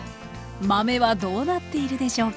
豆はどうなっているでしょうか